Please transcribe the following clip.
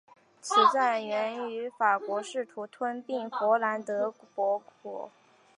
此战源于法国试图吞并弗兰德伯国。